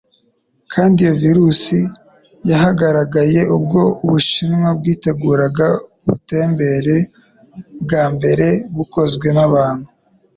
Kandi iyo virusi yahagaragaye ubwo Ubushinwa bwiteguraga ubutembere bwa mbere bukozwe n'abantu